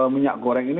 minyak goreng ini